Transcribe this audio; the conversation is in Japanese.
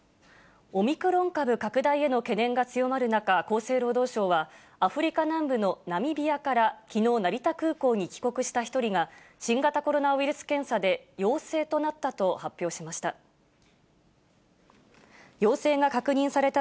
オミクロン株拡大への懸念が強まる中、厚生労働省は、アフリカ南部のナミビアからきのう、成田空港に帰国した１人が、新型コロナウイルス検査で陽性となったと発表しました。